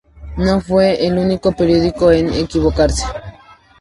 No fue el único periódico en equivocarse.